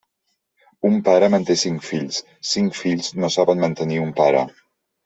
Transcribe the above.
Un pare manté cinc fills; cinc fills no saben mantenir un pare.